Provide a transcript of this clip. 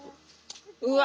うわ。